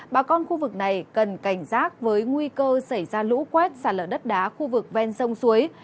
bà con khu vực này cần cảnh giác với nguy cơ xảy ra lũ quét xả lở đất đá khu vực ven sông suối